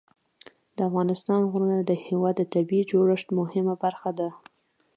د افغانستان غرونه د هېواد د طبیعي جوړښت مهمه برخه ده.